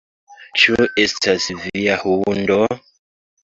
Ĉu estas via hundo?